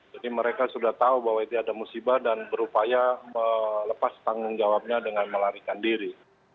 jadi mereka sudah tahu bahwa itu ada musibah dan berupaya melepas tanggung jawabnya dengan melarikan diri